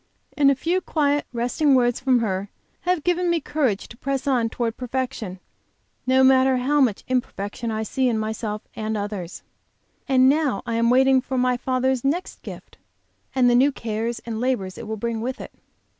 And a few quiet, resting words from her have given me courage to press on toward perfection, no matter how much imperfection I see in myself and others. And now I am waiting for my Father's next gift, and the new cares and labors it will bring with it.